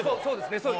そうですね